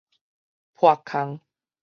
破空